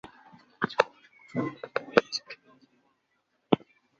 此外精疲力竭的军队可能让海地无法即时应付各种紧急需求。